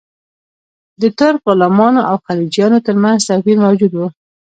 د ترک غلامانو او خلجیانو ترمنځ توپیر موجود و.